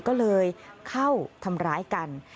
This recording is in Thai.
ก็เลยเข้าทำร้ายกัน